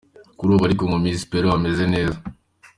Kuri ubu ariko ngo Misi Peru ameze neza.